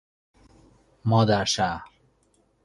مادرشهر